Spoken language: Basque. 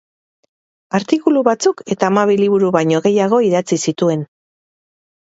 Artikulu batzuk eta hamabi liburu baino gehiago idatzi zituen.